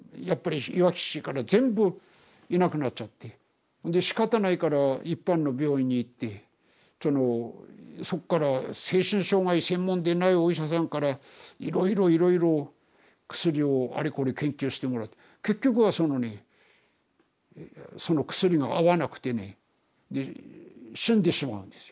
やっぱりいわき市から全部いなくなっちゃってでしかたないから一般の病院に行ってそのそっから精神障害専門でないお医者さんからいろいろいろいろ薬をあれこれ研究してもらって結局はそのねその薬が合わなくてねで死んでしまうんですよ。